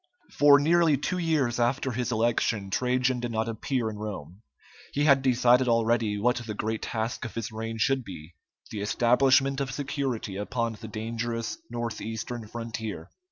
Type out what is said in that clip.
For nearly two years after his election Trajan did not appear in Rome. He had decided already what the great task of his reign should be the establishment of security upon the dangerous north eastern frontier.